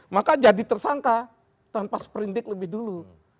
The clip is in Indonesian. maka jadi tersangka tanpa seperindik lebih dulu